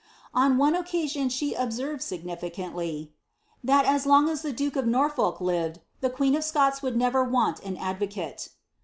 On one occasion, she observed, significantly, ^ that as long as the doke o( Norfolk lived, the queen of Scots would never want an advo cate."